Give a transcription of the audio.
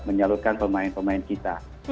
menyalurkan pemain pemain kita